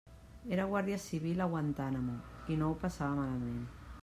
Era guàrdia civil a Guantánamo i no ho passava malament.